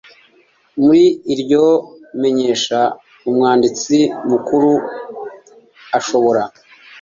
muri iryo menyesha umwanditsi mukuru ashobora